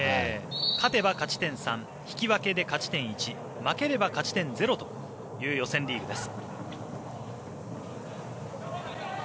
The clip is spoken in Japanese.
勝てば、勝ち点３引き分けは勝ち点１負ければ勝ち点０という予選リーグです。